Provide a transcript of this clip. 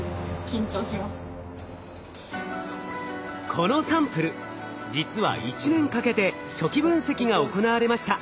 このサンプル実は１年かけて初期分析が行われました。